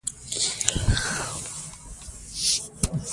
موږ یو پیاوړی او مېړنی ولس یو.